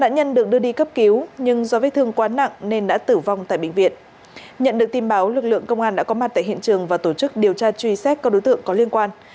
nhận được tin báo lực lượng công an đã có mặt tại hiện trường và tổ chức điều tra truy xét các đối tượng có liên quan